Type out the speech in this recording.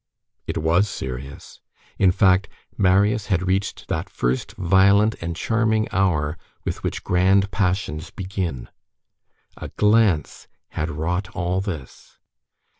It was serious; in fact, Marius had reached that first violent and charming hour with which grand passions begin. A glance had wrought all this.